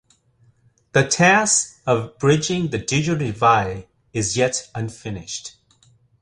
The task of bridging the digital divide is yet unfinished.